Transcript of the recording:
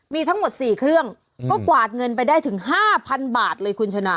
มีทั้งหมด๔เครื่องก็กวาดเงินไปได้ถึง๕๐๐บาทเลยคุณชนะ